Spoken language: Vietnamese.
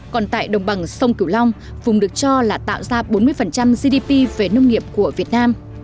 còn tại đồng bằng sông cửu long vùng được cho là tạo ra bốn mươi gdp về nông nghiệp của việt nam